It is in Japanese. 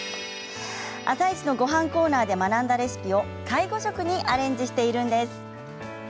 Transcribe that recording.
「あさイチ」のごはんコーナーで学んだレシピを介護食にアレンジしているんです。